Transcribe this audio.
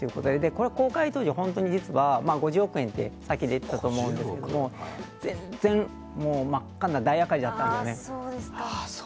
これは公開当時実は５０億円ってさっき出てたと思うんですけど全然、真っ赤な大赤字なんですよね。